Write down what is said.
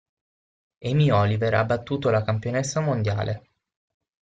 Amy Oliver ha battuto la campionessa mondiale.